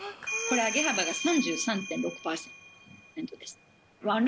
上げ幅が３３．６％です。